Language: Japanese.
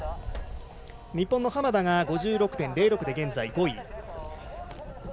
日本の浜田海人が５６．０６で現在５位。